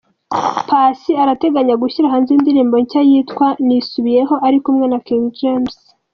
Paccy arateganye gushyira hanze indirimbo nshya yitwa “Nisubiyeho” ari kumwe na King James.